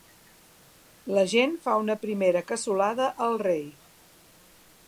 La gent fa una primera cassolada al rei.